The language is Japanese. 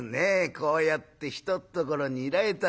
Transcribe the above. こうやってひとっところにいられたんじゃ。